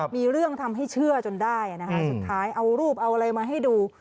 มีเรื่องทำให้เชื่อจนได้นะคะสุดท้ายเอารูปเอาอะไรมาให้ดู